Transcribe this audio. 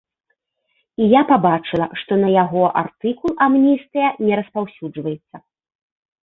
І я пабачыла, што на яго артыкул амністыя не распаўсюджваецца.